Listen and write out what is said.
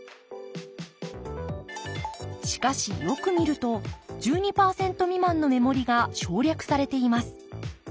しかしよく見ると１２％未満の目盛りが省略されています。